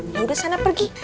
yaudah sana pergi